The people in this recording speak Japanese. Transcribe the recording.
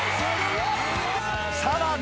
［さらに］